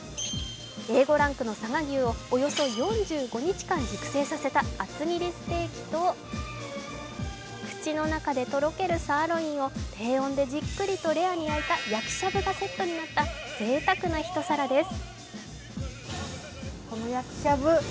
Ａ５ランクの佐賀牛をおよそ４５日間熟成させた厚切りステーキと口の中でとろけるサーロインを低温でじっくりレアに焼いた焼きしゃぶがセットになったぜいたくな一皿です。